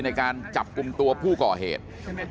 ในการจับกลุ่มตัวผู้ก่อเหตุ